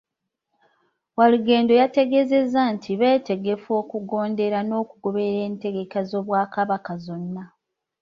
Walugendo yategeezezza nti beetegefu okugondera n’okugoberera entegeka z’Obwakabaka zonna.